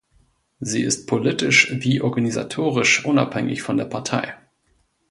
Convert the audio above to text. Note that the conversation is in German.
Sie ist politisch, wie organisatorisch unabhängig von der Partei.